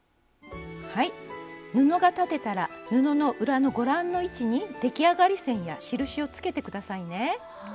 布が裁てたら布の裏のご覧の位置に出来上がり線や印をつけて下さいね。